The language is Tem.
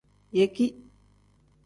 Yeki.